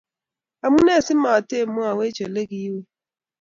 omunee simetou imwoiwech ole ki iwe?